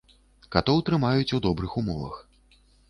Катоў трымаюць у добрых умовах.